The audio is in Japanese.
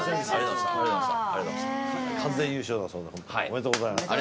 ありがとうございます。